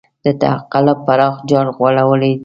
د تقلب پراخ جال غوړولی دی.